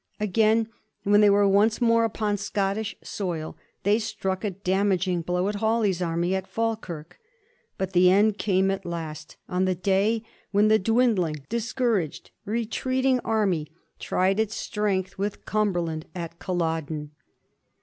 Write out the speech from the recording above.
Again, when they were once more upon Scottish soil, they struck a damaging blow at Hawley's army at Falkirk. But the end came at last on the day when the dwindling, discouraged, retreating army tried its strength with Cumberland at Culloden.